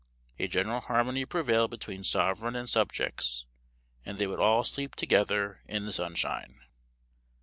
A general harmony prevailed between sovereign and subjects, and they would all sleep together in the sunshine.